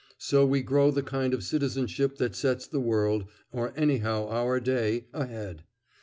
So we grow the kind of citizenship that sets the world, or anyhow our day, ahead.